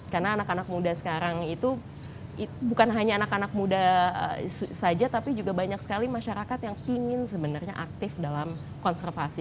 karena anak anak muda sekarang itu bukan hanya anak anak muda saja tapi juga banyak sekali masyarakat yang ingin sebenarnya aktif dalam konservasi